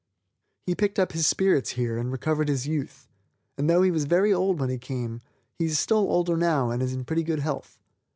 He picked up his spirits here and recovered his youth, and though he was very old when he came, he is still older now and in pretty good health.